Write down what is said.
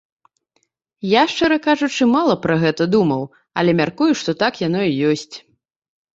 Я, шчыра кажучы, мала пра гэта думаў, але мяркую, што так яно і ёсць.